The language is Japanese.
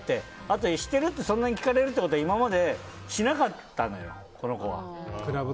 だけどしてるって聞かれるってことは今までしなかったのよ、この子は。